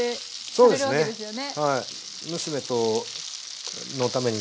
そうですね。